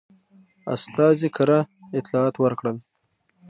استازي کره اطلاعات ورکړل.